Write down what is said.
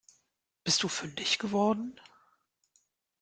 Bist du fündig geworden?